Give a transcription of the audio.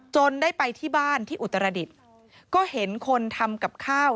ได้ไปที่บ้านที่อุตรดิษฐ์ก็เห็นคนทำกับข้าว